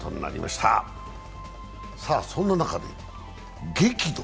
そんな中で、激怒。